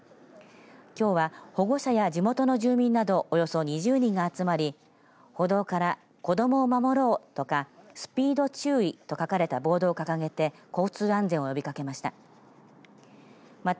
きょうは保護者や地元の住民などおよそ２０人が集まり報道から子供を守ろうとかスピード注意と書かれたボードを掲げて交通安全を呼びかけました。